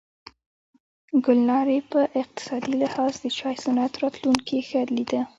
ګلنارې په اقتصادي لحاظ د چای صنعت راتلونکې ښه لیده.